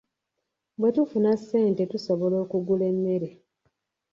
Bwe tufuna ssente tusobola okugula emmere.